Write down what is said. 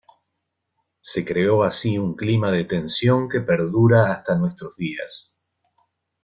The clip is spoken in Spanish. Se creó así un clima de tensión que perdura hasta nuestros días.